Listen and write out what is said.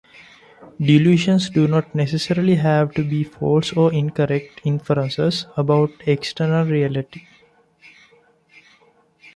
Delusions do not necessarily have to be false or 'incorrect inferences about external reality'.